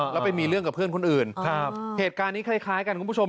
แล้วไปมีเรื่องกับเพื่อนคนอื่นครับเหตุการณ์นี้คล้ายกันคุณผู้ชม